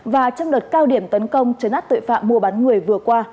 và trong đợt cao điểm tấn công chấn át tội phạm mùa bán người vừa qua